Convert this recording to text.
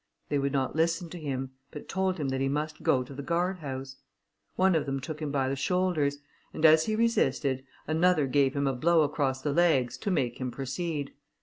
They would not listen to him, but told him that he must go to the guardhouse. One of them took him by the shoulders, and as he resisted, another gave him a blow across the legs to make him proceed.